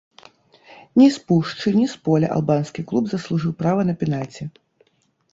Ні з пушчы ні з поля албанскі клуб заслужыў права на пенальці.